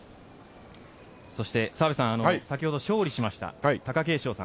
澤部さん、先ほど勝利しました貴景勝さん